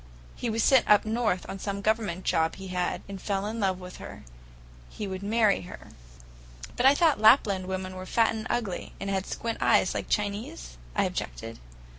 He was sent up north on some Government job he had, and fell in with her. He would marry her." "But I thought Lapland women were fat and ugly, and had squint eyes, like Chinese?" I objected.